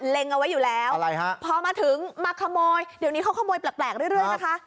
เอาไว้อยู่แล้วพอมาถึงมาขโมยเดี๋ยวนี้เขาขโมยแปลกเรื่อยนะคะ